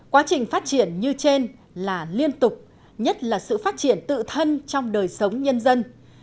quá trình phát triển như trên là liên tục nhất là sự phát triển tự thân trong đời sống nhân dân